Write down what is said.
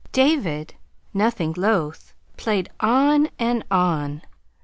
David, nothing loath, played on and on.